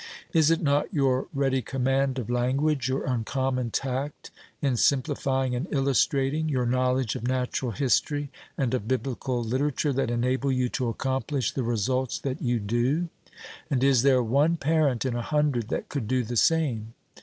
Is it not your ready command of language, your uncommon tact in simplifying and illustrating, your knowledge of natural history and of biblical literature, that enable you to accomplish the results that you do? And is there one parent in a hundred that could do the same?